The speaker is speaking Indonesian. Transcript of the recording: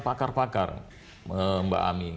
pakar pakar mbak amin